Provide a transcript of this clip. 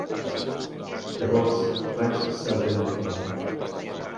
Llavors, Phage s'alia amb el Cabal.